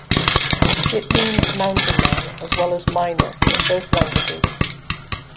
It means "mountain man" as well as "miner" in both languages.